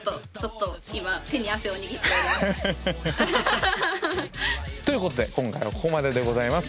ということで今回はここまででございます。